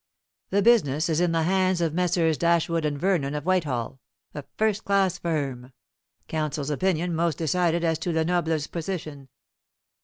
The business is in the hands of Messrs. Dashwood and Vernon of Whitehall a first class firm; counsel's opinion most decided as to Lenoble's position.